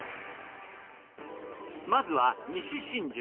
まずは西新宿。